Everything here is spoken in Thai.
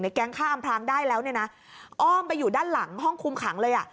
ในแกล้งข้ามพรางได้แล้วนะอ้อมไปอยู่ด้านหลังห้องคุมขังเลย